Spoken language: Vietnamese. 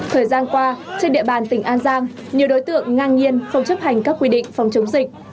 thời gian qua trên địa bàn tỉnh an giang nhiều đối tượng ngang nhiên không chấp hành các quy định phòng chống dịch